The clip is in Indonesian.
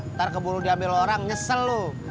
ntar keburu diambil orang nyesel loh